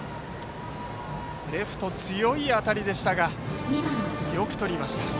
レフト、強い当たりでしたがよくとりました。